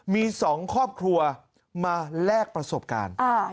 มี๒ครอบครัวมาแลกประสบการณ์